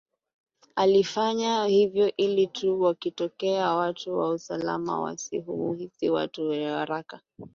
Alifanya hivyo ili tu wakitokea watu wa usalama wasimuhisi mtu mmoja kwa haraka